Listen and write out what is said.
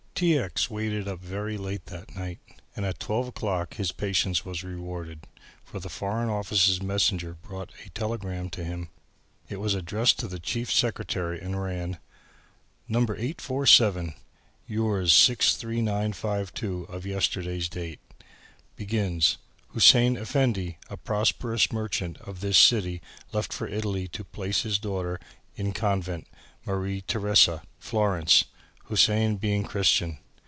T. X. waited up very late that night and at twelve o'clock his patience was rewarded, for the Foreign Office messenger brought a telegram to him. It was addressed to the Chief Secretary and ran: "No. 847. Yours 63952 of yesterday's date. Begins. Hussein Effendi a prosperous merchant of this city left for Italy to place his daughter in convent Marie Theressa, Florence Hussein being Christian.